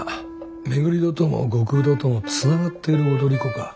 廻戸とも後工田ともつながっている踊り子か。